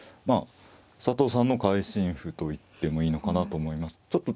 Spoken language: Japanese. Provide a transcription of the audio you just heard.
佐藤さんの会心譜といってもいいのかなと思います。